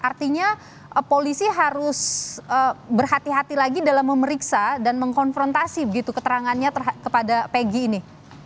artinya polisi harus berhati hati lagi dalam memeriksa dan mengkonfrontasi keterangannya kepada pegi ini